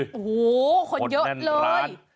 โอ้โหคนเยอะเลย